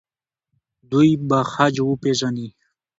دوی به خج وپیژني.